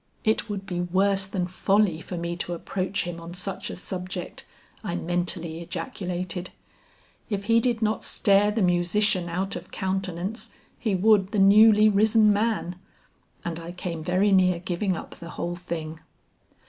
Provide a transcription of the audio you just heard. "It would be worse than folly for me to approach him on such a subject," I mentally ejaculated. "If he did not stare the musician out of countenance he would the newly risen man." And I came very near giving up the whole thing.